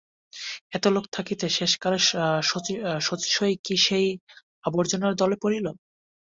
এত লোক থাকিতে শেষকালে শচীশই কি সেই আবর্জনার দলে পড়িল?